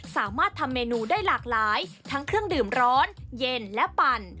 สามารถทำเมนูได้หลากหลายทั้งเครื่องดื่มร้อนเย็นและปั่น